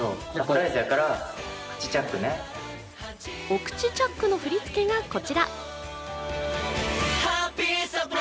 お口チャックの振り付けがこちら。